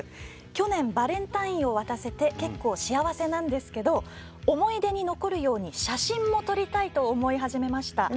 去年バレンタインを渡せて結構幸せなんですけど思い出に残るように写真も撮りたいと思い始めました。